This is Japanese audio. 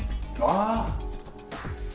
ああ。